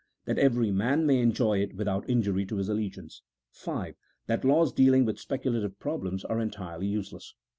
That every man may enjoy it without injury to his allegiance. V. That laws dealing with speculative problems are entirely useless.